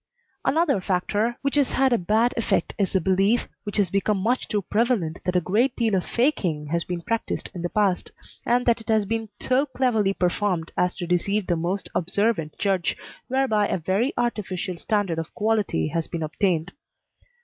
Another factor which has had a bad effect is the belief, which has become much too prevalent, that a great deal of "faking" has been practised in the past, and that it has been so cleverly performed as to deceive the most observant judge, whereby a very artificial standard of quality has been obtained.